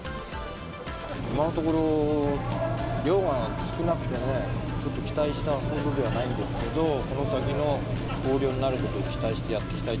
今のところ、量が少なくてね、ちょっと期待したほどではないんですけど、この先、豊漁になることを期待してやっていきたい。